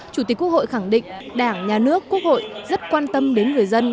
chủ tịch quốc hội khẳng định đảng nhà nước quốc hội rất quan tâm đến người dân